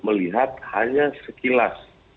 melihat hanya sekilas